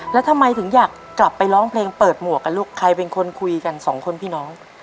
แล้วทำไมถึงอยากกลับไปร้องเพลงเปิดหมวกกันลูกใครเป็นคนคุยกันสองคนพี่น้อง